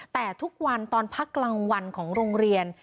แต่ทุกวันตอนพักกลางวันของโรงเรียน